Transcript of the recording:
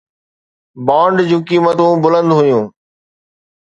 bond جون قيمتون بلند هيون